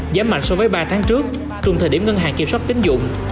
giảm mạnh so với ba tháng trước cùng thời điểm ngân hàng kiểm soát tính dụng